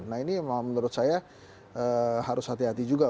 nah ini menurut saya harus hati hati juga